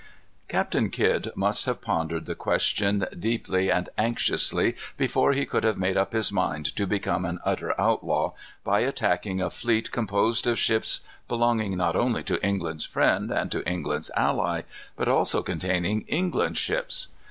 Captain Kidd must have pondered the question deeply and anxiously before he could have made up his mind to become an utter outlaw, by attacking a fleet composed of ships belonging not only to England's friend, and to England's ally, but also containing England's ships.